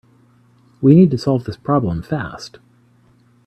We need to solve this problem fast.